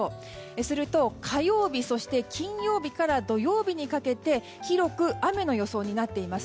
すると、火曜日、そして金曜日から土曜日にかけて広く雨の予想になっています。